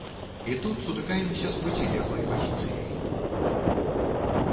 І тут сутыкаемся з процілеглай пазіцыяй.